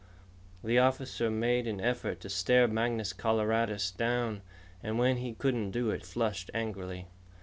The officer made an effort to stare Mangus Coloradus down, and when he couldn't do it, flushed angrily.